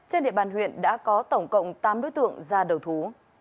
trên địa bàn huyện đã có tổng cộng tám đối tượng ra đầu thú